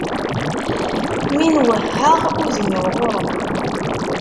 Mi n-wehheɣ udem-iw ɣur-m.